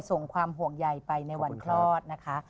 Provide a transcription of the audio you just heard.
ส่งความห่วงใยไปในวันคลอดนะคะ